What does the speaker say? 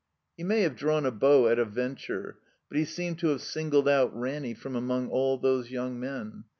He may have drawn a bow at a venture, but he seemed to have singled out Ranny from among all those young men.